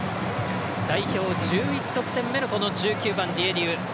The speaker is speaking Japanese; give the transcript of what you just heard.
代表１１得点目のこの１９番、ディエディウ。